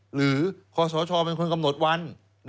หรือโขสาชาวิทยาลัยมันคนกำหนดวัน